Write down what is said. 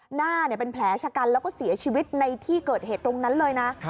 หน้าเป็นแผลชะกันแล้วก็เสียชีวิตในที่เกิดเหตุตรงนั้นเลยนะ